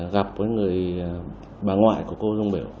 gặp bà ngoại của cô dung biểu